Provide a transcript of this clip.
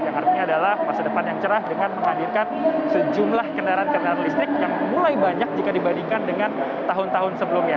yang artinya adalah masa depan yang cerah dengan menghadirkan sejumlah kendaraan kendaraan listrik yang mulai banyak jika dibandingkan dengan tahun tahun sebelumnya